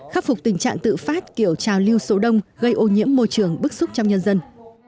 khắc phục tình trạng tự phát kiểu trào lưu số đông gây ô nhiễm môi trường bức xúc trong nhân dân